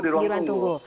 di ruang tunggu